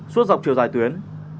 suốt dọc chiều dài tuyến